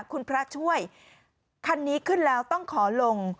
คุณพระช่วยคันนี้ขึ้นแล้วต้องขอลง